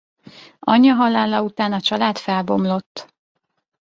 Anyja halála után a család felbomlott.